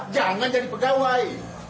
jangan jadi pegawai